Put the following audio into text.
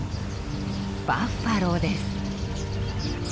バッファローです。